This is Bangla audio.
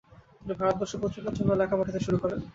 তিনি 'ভারতবর্ষ' পত্রিকার জন্যেও লেখা পাঠাতে শুরু করেন।